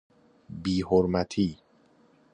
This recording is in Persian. بی حرمتی